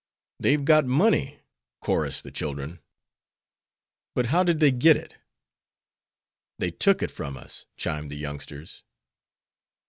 "They've got money," chorused the children. "But how did they get it?" "They took it from us," chimed the youngsters.